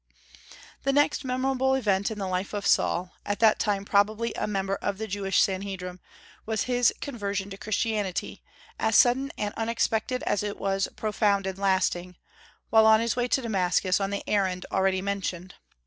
The next memorable event in the life of Saul at that time probably a member of the Jewish Sanhedrim was his conversion to Christianity, as sudden and unexpected as it was profound and lasting, while on his way to Damascus on the errand already mentioned.